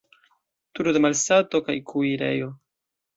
Turo de malsato kaj kuirejo.